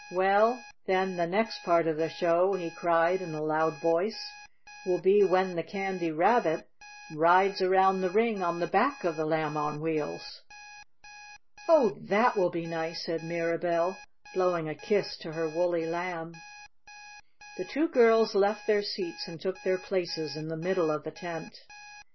"Well, then the next part of the show," he cried in a loud voice, "will be when the Candy Rabbit rides around the ring on the back of the Lamb on Wheels." "Oh, that will be nice," said Mirabell, blowing a kiss to her woolly Lamb. The two girls left their seats and took their places in the middle of the tent.